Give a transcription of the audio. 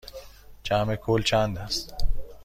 جمع کل چند است؟